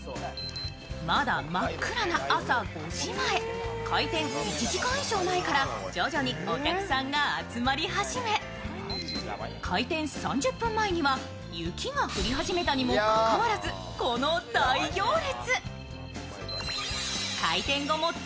まだ真っ暗な朝５時前、開店１時間以上前から徐々にお客さんが集まり始め、開店３０分前には雪が降り始めたにもかかわらず、この大行列。